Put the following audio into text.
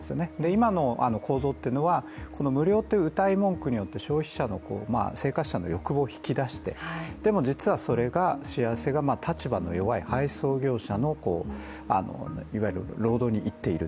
今の構造というのは、無料といううたい文句によって消費者の生活者の欲望を引き出して、でも実はそれのしわ寄せが立場の弱い配送業者の労働にいっている。